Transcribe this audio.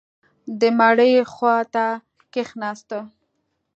د مړي خوا ته کښېناسته.